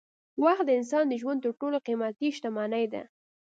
وخت د انسان د ژوند تر ټولو قېمتي شتمني ده.